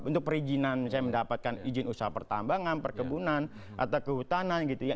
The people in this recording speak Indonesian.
untuk perizinan misalnya mendapatkan izin usaha pertambangan perkebunan atau kehutanan gitu ya